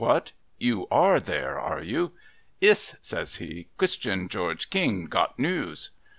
' What ? You are there, are you ?'' Iss,' says he. ' Christian George King got news.'